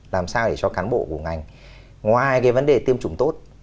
làm sao để cho cán bộ của ngành ngoài cái vấn đề tiêm chủng tốt